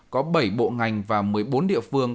có bảy bộ ngành và một mươi bốn địa phương